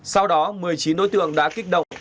sau đó một mươi chín đối tượng đã kích động